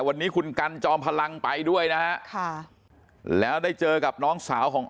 วันนี้คุณกันจอมพลังไปด้วยนะฮะค่ะแล้วได้เจอกับน้องสาวของ